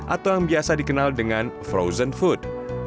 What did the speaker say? atau yang biasa dikenal dengan frozen food